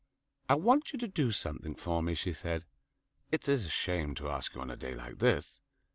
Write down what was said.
"I want you to do something for me," she said. "It's a shame to ask you on a day like this."